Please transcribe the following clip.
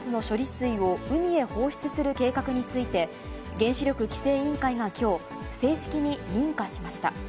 水を海へ放出する計画について、原子力規制委員会がきょう、正式に認可しました。